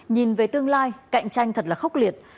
nhìn về tương lai cạnh tranh thật là khốc liệt